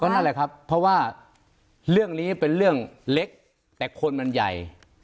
นั่นแหละครับเพราะว่าเรื่องนี้เป็นเรื่องเล็กแต่คนมันใหญ่